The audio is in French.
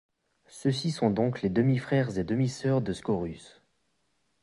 Ceux-ci sont donc les demi-frères et demi-sœur de Scaurus.